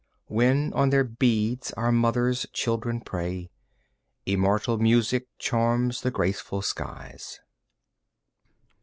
When on their beads our Mother's children pray Immortal music charms the grateful skies.